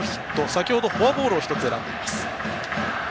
先程フォアボールを１つ選んでいます。